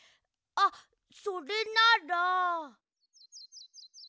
あっそれなら。